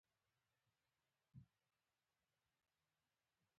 ځینو چې پېژندلم وايي به چې ډېر ښه سړی و